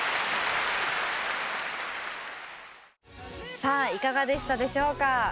さあいかがでしたでしょうか？